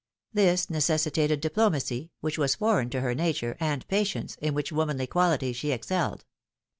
This necessitated diplo macy, which was foreign to her nature, and patience, in which womanly quality she excelled.